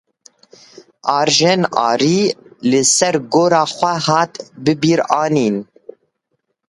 Arjen Arî li ser gora xwe hat bibîranîn.